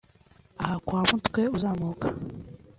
aha kwa Mutwe uzamuka